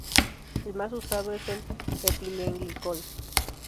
El más usado es el etilenglicol.